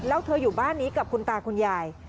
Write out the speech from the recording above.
แล้วเธออยู่บ้านนี้กับคุณตาคุณยาย